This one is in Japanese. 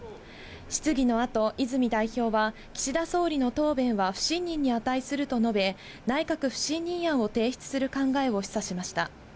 質疑のあと泉代表は、岸田総理の答弁は不信任に値すると述べ、内閣不信任案を提出する考えを示唆しました。